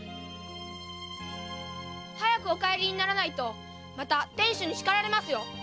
早くお帰りにならないとまた店主に叱られますよ。